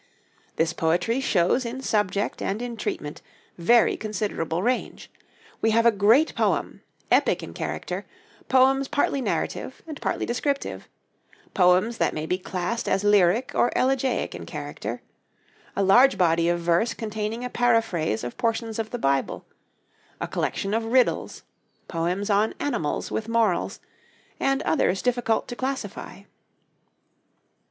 This poetry shows in subject and in treatment very considerable range. We have a great poem, epic in character; poems partly narrative and partly descriptive; poems that may be classed as lyric or elegiac in character; a large body of verse containing a paraphrase of portions of the Bible; a collection of 'Riddles'; poems on animals, with morals; and others difficult to classify.